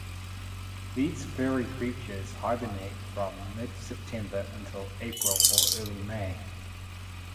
These furry creatures hibernate from mid-September until April or early May.